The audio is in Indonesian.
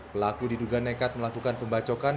pelaku diduga nekat melakukan pembacokan